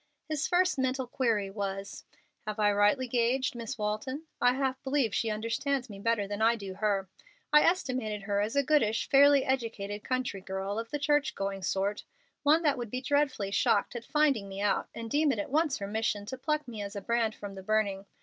His first mental query was, "Have I rightly gauged Miss Walton? I half believe she understands me better than I do her. I estimated her as a goodish, fairly educated country girl, of the church going sort, one that would be dreadfully shocked at finding me out, and deem it at once her mission to pluck me as a brand from the burning.